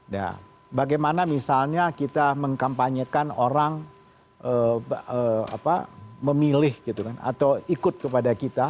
nah bagaimana misalnya kita mengkampanyekan orang memilih gitu kan atau ikut kepada kita